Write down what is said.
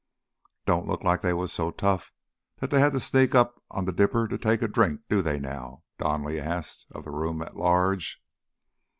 "Don't look like they was so tough they had to sneak up on th' dipper to take a drink, do they now?" Donally asked of the room at large.